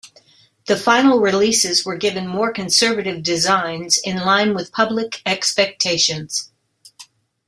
The final releases were given more conservative designs in line with public expectations.